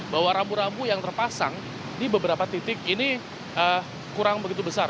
bahwa rambu rambu yang terpasang di beberapa titik ini kurang begitu besar